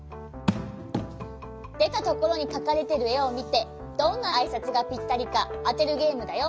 でたところにかかれてるえをみてどんなあいさつがぴったりかあてるゲームだよ。